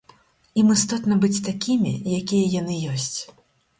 Ім істотна быць такімі, якія яны ёсць.